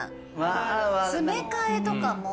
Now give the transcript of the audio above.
詰め替えとかも。